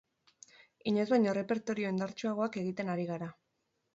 Inoiz baino errepertorio indartsuagoak egiten ari gara.